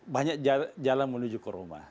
banyak jalan menuju ke rumah